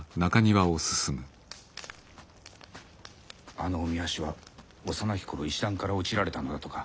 あのおみ足は幼き頃石段から落ちられたのだとか。